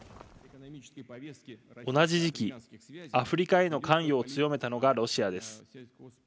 同じ時期、アフリカへの関与を強めたのがロシアです。